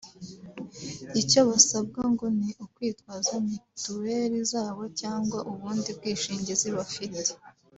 icyo basabwa ngo ni ukwitwaza mituweri zabo cyangwa ubundi bwishingizi bafite